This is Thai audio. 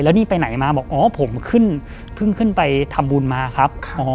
แล้วนี่ไปไหนมาบอกอ๋อผมเพิ่งขึ้นไปทำบุญมาครับ